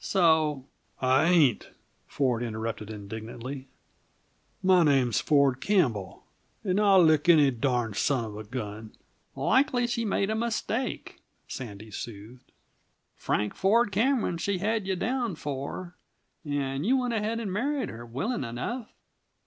So " "I ain't," Ford interrupted indignantly. "My name's Ford Campbell and I'll lick any darned son of a gun " "Likely she made a mistake," Sandy soothed. "Frank Ford Cameron, she had you down for, and you went ahead and married her willing enough.